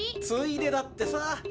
ついでだってさ。